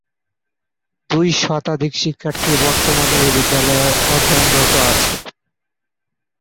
দুই শতাধিক শিক্ষার্থী বর্তমানে এ বিদ্যালয়ে অধ্যয়নরত আছে।